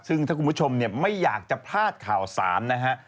ซึ่งถ้าคุณผู้ชมไม่อยากจะพลาดข่าวสารนะฮะ